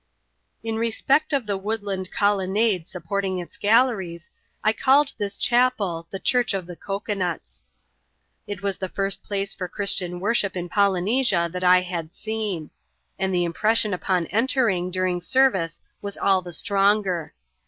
In respect of the woodland colonnade supporting its galleries, I called this chapel the Church of the Cocoa nuts. It was the first place for Christian worship in Polynesia that I had seen ; and the impression upon entering during service was all the stronger.